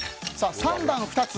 ３番２つ。